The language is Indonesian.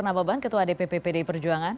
nama bang ketua dpp pdi perjuangan